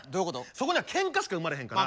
そこにはケンカしか生まれへんから。